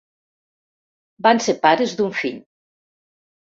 Van ser pares d'un fill.